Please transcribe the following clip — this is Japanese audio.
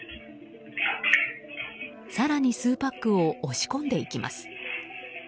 更に数パックを押し込んでいきます。